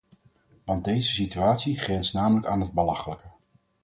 Want deze situatie grenst namelijk aan het belachelijke.